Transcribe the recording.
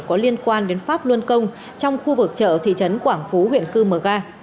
có liên quan đến pháp luân công trong khu vực chợ thị trấn quảng phú huyện cư mờ ga